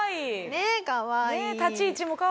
ねえかわいい。